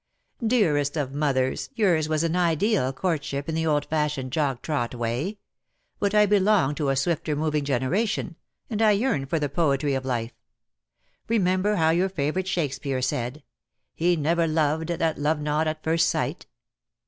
"Dearest of mothers, yours was an ideal court ship in the old fashioned jog trot way. But I belong to a swifter moving generation, and I yearn for the poetry of life. Remember how your favourite Shake speare said, 'He never loved that loved not at first sight.'